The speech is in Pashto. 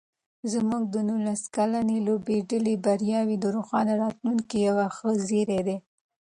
زموږ د نولس کلنې لوبډلې بریاوې د روښانه راتلونکي یو ښه زېری دی.